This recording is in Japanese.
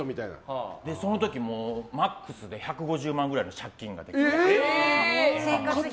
その時もマックスで１５０万ぐらいの借金ができて。